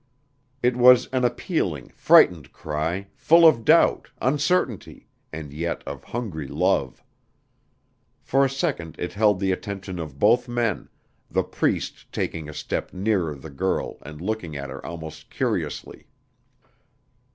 It was an appealing, frightened cry, full of doubt, uncertainty, and yet of hungry love. For a second it held the attention of both men, the Priest taking a step nearer the girl and looking at her almost curiously.